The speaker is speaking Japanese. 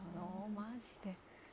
マジで？